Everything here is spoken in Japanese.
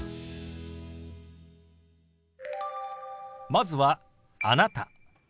まずは「あなた」。